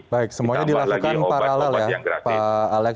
baik semuanya dilakukan paralel ya pak alex